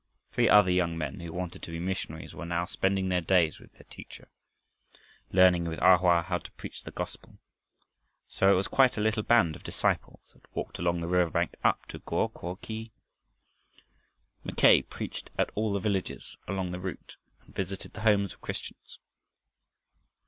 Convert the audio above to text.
Three other young men who wanted to be missionaries were now spending their days with their teacher, learning with A Hoa how to preach the gospel. So it was quite a little band of disciples that walked along the river bank up to Go ko khi. Mackay preached at all the villages along the route, and visited the homes of Christians.